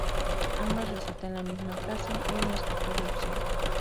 Ambas recitan la misma frase "Él no escapó de Upsala".